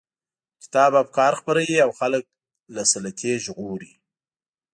کتاب افکار خپروي او خلک له سلطې ژغوري.